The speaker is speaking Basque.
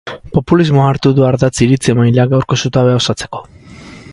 Populismoa hartu du ardatz iritzi-emaileak gaurko zutabea osatzeko.